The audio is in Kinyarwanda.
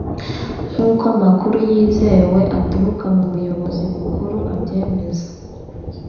nkuko amakuru yizewe aturuka mu buyobozi bukuru abyemeza